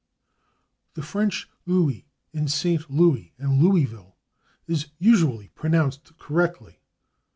The French /Louis/, in /St. Louis/ and /Louisville/, is usually pronounced correctly.